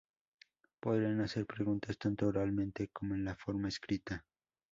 Podrían hacer preguntas tanto oralmente como en la forma escrita.